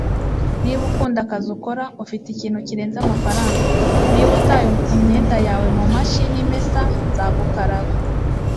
niba ukunda akazi ukora, ufite ikintu kirenze amafaranga. niba utaye imyenda yawe mumashini imesa, nzagukaraba